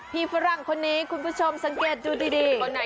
ฝรั่งคนนี้คุณผู้ชมสังเกตดูดี